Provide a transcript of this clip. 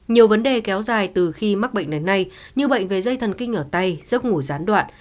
nhiều vấn đề kéo dài từ khi mắc bệnh đến nay như bệnh về dây thần kinh ở tay giấc ngủ gián đoạn